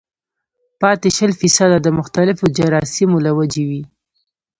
پاتې شل فيصده د مختلفو جراثيمو له وجې وي